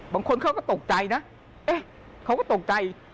บางคนเขาก็ตกใจนะเอ๊ะเขาก็ตกใจ